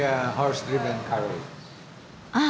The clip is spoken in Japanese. ああ。